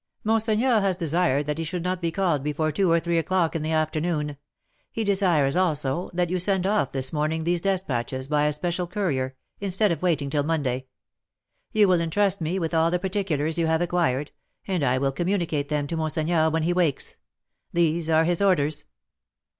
Monseigneur has desired that he should not be called before two or three o'clock in the afternoon; he desires, also, that you send off this morning these despatches by a special courier, instead of waiting till Monday. You will entrust me with all the particulars you have acquired, and I will communicate them to monseigneur when he wakes. These are his orders."